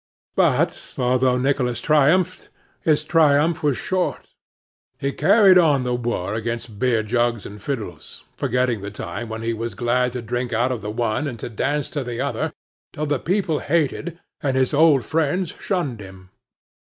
But although Nicholas triumphed, his triumph was short. He carried on the war against beer jugs and fiddles, forgetting the time when he was glad to drink out of the one, and to dance to the other, till the people hated, and his old friends shunned him.